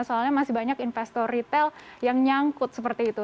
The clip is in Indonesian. soalnya masih banyak investor retail yang nyangkut seperti itu